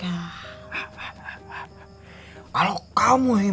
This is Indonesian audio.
yang dari holy nipis